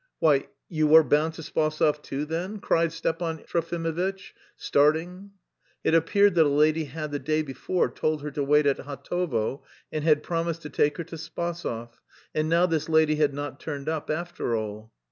"Why, you are bound to Spasov, too, then?" cried Stepan Trofimovitch, starting. It appeared that a lady had the day before told her to wait at Hatovo and had promised to take her to Spasov, and now this lady had not turned up after all.